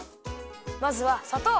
まずはさとう！